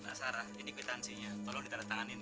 nah sarah ini kwitansinya tolong ditarah tanganin ya